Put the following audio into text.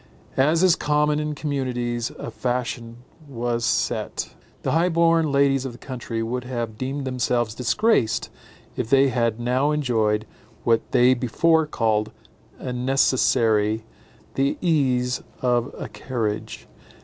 As is common in communities, a fashion was set. The high born ladies of the country would have deemed themselves disgraced if they had now enjoyed, what they before called a necessary, the ease of a carriage.